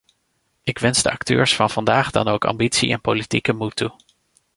Ik wens de acteurs van vandaag dan ook ambitie en politieke moed toe.